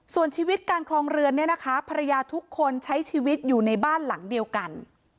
ส่วนชีวิตการครองเรือนเนี่ยนะคะภรรยาทุกคนใช้ชีวิตอยู่ในบ้านหลังเดียวกัน